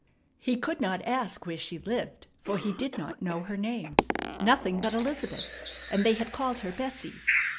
He could not ask where she lived, for he did not know her name. Nothing but Elizabeth, and they had called her Bessie.